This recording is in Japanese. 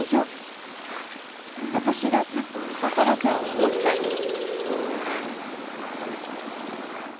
「私がずっとトラちゃんを守ってあげる！」